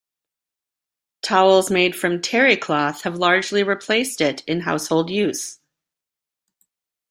Towels made from terry cloth have largely replaced it in household use.